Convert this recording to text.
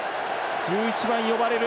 １１番、呼ばれる。